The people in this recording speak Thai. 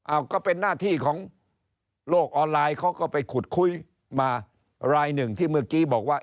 ก็เป็นหน้าที่ของโลกออนไลน์เขาก็ไปขุดคุยมารายหนึ่งที่เมื่อกี้บอกว่า